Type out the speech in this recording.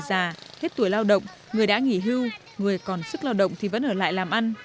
già hết tuổi lao động người đã nghỉ hưu người còn sức lao động thì vẫn ở lại làm ăn